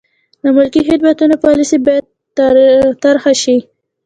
د ملکي خدمتونو پالیسي باید طرحه شي.